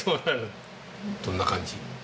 どんな感じ？